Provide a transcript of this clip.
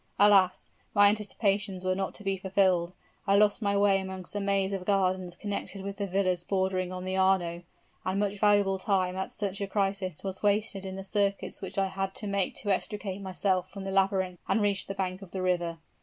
Alas! my anticipations were not to be fulfilled! I lost my way amongst a maze of gardens connected with the villas bordering on the Arno; and much valuable time at such a crisis was wasted in the circuits which I had to make to extricate myself from the labyrinth and reach the bank of the river.